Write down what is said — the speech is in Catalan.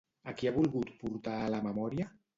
A qui ha volgut portar a la memòria?